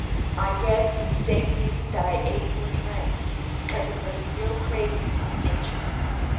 I read for the same reason that I ate or drank; because it was a real craving of nature.